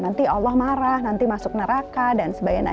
nanti allah marah nanti masuk neraka dan sebagainya